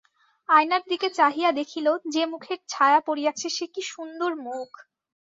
আয়নার দিকে চাহিয়া দেখিল, যে মুখের ছায়া পড়িয়াছে সে কী সুন্দর মুখ!